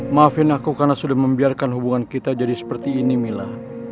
maafin aku karena sudah membiarkan hubungan kita jadi seperti ini mila